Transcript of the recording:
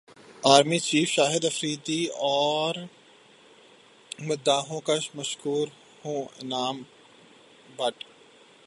army چیفشاہد افریدی اور مداحوں کا مشکور ہوں انعام بٹ